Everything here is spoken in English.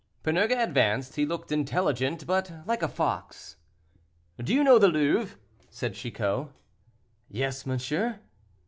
Panurge advanced. He looked intelligent, but like a fox. "Do you know the Louvre?" said Chicot. "Yes, monsieur."